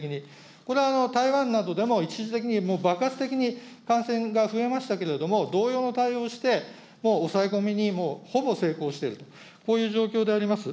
これは台湾などでも、一時的に、もう爆発的に感染が増えましたけれども、同様の対応をして、もう抑え込みに、もう、ほぼ成功している、こういう状況であります。